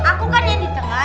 aku kan ya di tengah